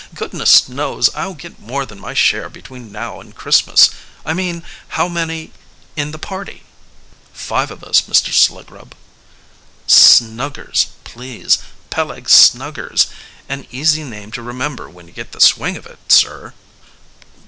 "Goodness knows, I'll get more than my share between now and Christmas. I mean, how many it the party?" "Five of us, Mr. Sluggrub." "Snuggers, please; Peleg Snuggers an easy name to remember when you get the swing of it, sir."